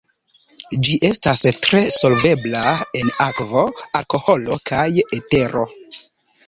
Ĝi estas tre solvebla en akvo, alkoholo kaj etero.